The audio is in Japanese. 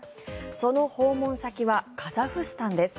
その訪問先はカザフスタンです。